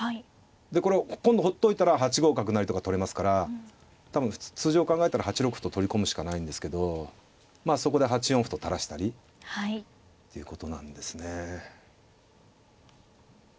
でこれ今度ほっといたら８五角成とか取れますから多分通常考えたら８六歩と取り込むしかないんですけどまあそこで８四歩と垂らしたりっていうことなんですね。